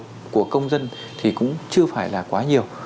nhân dân thì cũng chưa phải là quá nhiều